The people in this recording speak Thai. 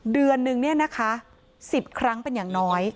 เดือนนึงเนี่ยนะคะ๑๐ครั้งเป็นอย่างน้อย